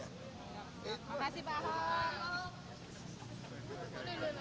makasih pak ahok